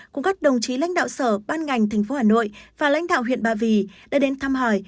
cùng các đồng chí lãnh đạo sở ban ngành thành phố hà nội và lãnh đạo huyện ba vì đã đến thăm hỏi